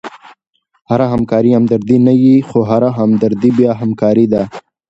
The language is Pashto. هره همکاري همدردي نه يي؛ خو هره همدردي بیا همکاري ده.